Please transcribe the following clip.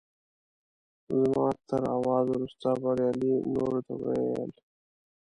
زما تر اواز وروسته بریالي نورو ته وویل.